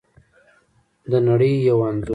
د نړۍ یو انځور